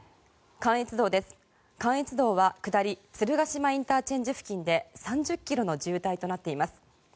関越道は下り、鶴ヶ島ＩＣ付近で３０ｋｍの渋滞となっています。